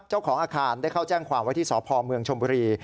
เจ้าของอาคารได้เข้าแจ้งความไว้ที่สพเมืองชมบุรี